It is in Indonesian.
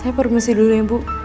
saya permasi dulu ya bu